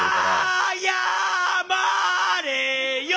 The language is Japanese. あやまれよ！